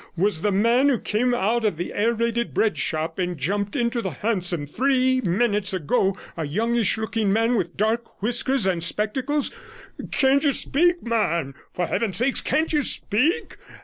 Was the man who came out of the Aerated Bread Shop and jumped into the hansom three minutes ago a youngish looking man with dark whiskers and spectacles? Can't you speak, man? For heaven's sake, can't you speak?